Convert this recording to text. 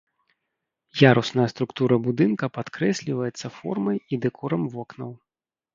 Ярусная структура будынка падкрэсліваецца формай і дэкорам вокнаў.